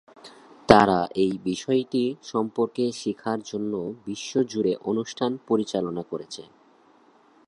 তারা এই বিষয়টি সম্পর্কে শিক্ষার জন্য বিশ্বজুড়ে অনুষ্ঠান পরিচালনা করেছে।